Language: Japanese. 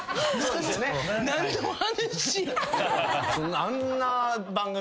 何の話や。